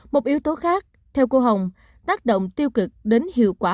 một yếu tố khác theo cô hồng tác động tiêu cực đến hiệu quả